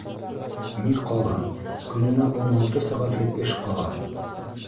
— Ни ҡалһын, көнөнә ун алты сәғәтлек эш ҡала.